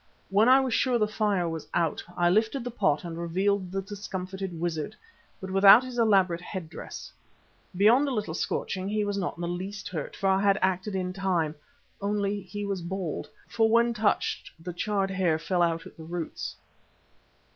When I was sure the fire was out, I lifted the pot and revealed the discomfited wizard, but without his elaborate head dress. Beyond a little scorching he was not in the least hurt, for I had acted in time; only he was bald, for when touched the charred hair fell off at the roots.